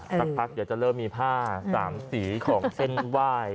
สักพักเดี๋ยวจะเริ่มมีผ้าสามสีของเส้นไหว้